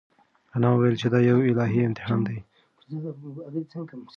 انا وویل چې دا یو الهي امتحان دی.